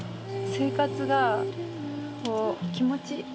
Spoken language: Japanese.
生活が気持ちいい。